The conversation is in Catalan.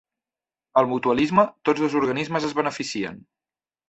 Al mutualisme, tots dos organismes es beneficien.